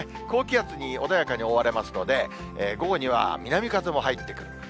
高気圧に穏やかに覆われますので、午後には南風も入ってくる。